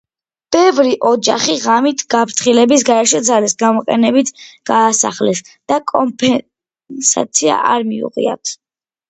ბევრი ოჯახი ღამით, გაფრთხილების გარეშე, ძალის გამოყენებით გაასახლეს და კომპენსაცია არ მიუღიათ.